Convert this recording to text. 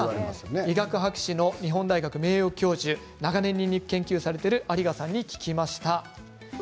医学博士の日本大学名誉教授長年、研究されている有賀さんに聞きました。